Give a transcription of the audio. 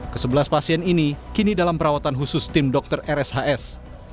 kesebelas pasien ini kini dalam perawatan khusus tim dokter rshs